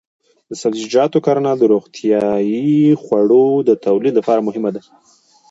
د سبزیجاتو کرنه د روغتیايي خوړو د تولید لپاره مهمه ده.